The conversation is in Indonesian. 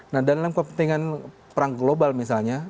nah dalam kepentingan perang global misalnya